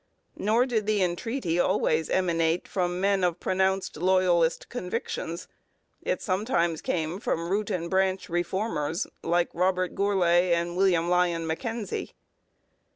Nor did the entreaty always emanate from men of pronounced Loyalist convictions; it sometimes came from root and branch Reformers like Robert Gourlay and William Lyon Mackenzie.